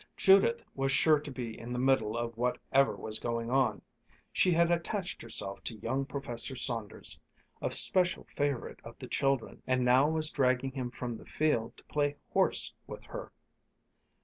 Judith was sure to be in the middle of whatever was going on. She had attached herself to young Professor Saunders, a special favorite of the children, and now was dragging him from the field to play horse with her.